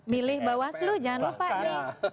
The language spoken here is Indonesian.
milih bawaslu jangan lupa nih